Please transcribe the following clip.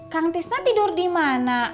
kang tisna tidur dimana